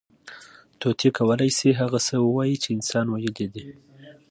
طوطي کولی شي، هغه څه ووایي، چې انسان ویلي دي.